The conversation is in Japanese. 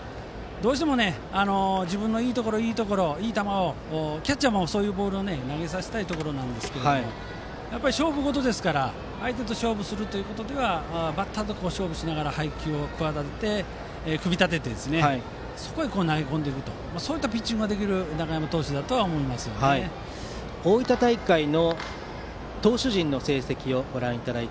どうしても自分のいいところいい球をキャッチャーもそういうボールを投げさせたいところですが勝負事ですから相手と勝負するということではバッターと勝負しながら配球を組み立ててそこへ投げ込んでいくというピッチングができる大分大会の投手陣の成績です。